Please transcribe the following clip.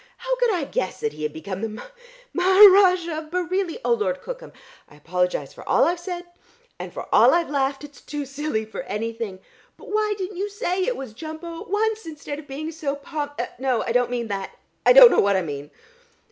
How could I guess that he had become the Maha ha ha rajah of Bareilly? Oh, Lord Cookham, I apologise for all I've said, and for all I've laughed. It's too silly for anything! But why didn't you say it was Jumbo at once, instead of being so pomp no, I don't mean that. I don't know what I mean."